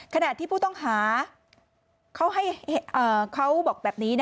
ขณะที่ผู้ต้องหาเขาบอกแบบนี้